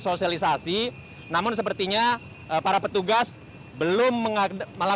sosialisasi namun sepertinya para petugas belum mengakui melakukan penyekatan yang berlaku di kota medan